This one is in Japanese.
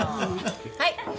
はい。